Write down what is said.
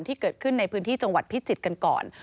ที่เกิดขึ้นในพื้นที่จังหวัดพิจิตรกันก่อน